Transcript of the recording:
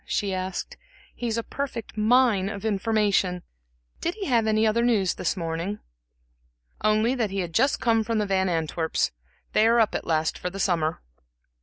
she asked. "He's a perfect mine of information. Did he have any other news this morning?" "Only that he had just come from the Van Antwerps' they are up at last for the summer."